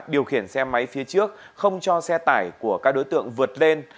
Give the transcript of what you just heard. điều khiển xe máy phía trước không cho xe tải của các đối tượng vượt lên